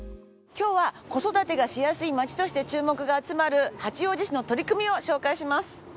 今日は子育てがしやすいまちとして注目が集まる八王子市の取り組みを紹介します。